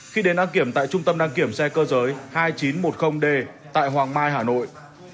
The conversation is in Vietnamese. khi đến đăng kiểm tại trung tâm đăng kiểm xe cơ giới hai nghìn chín trăm một mươi d tại hoàng mai hà nội